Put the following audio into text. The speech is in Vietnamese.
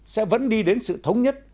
sẽ vẫn đi đến sự thống nhất